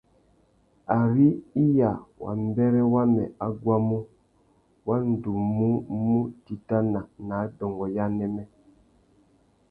Ari iya wa mbêrê wamê a guamú, wa ndú mú mù titana nà adôngô ya anêmê.